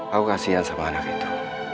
aku kasian sama anak itu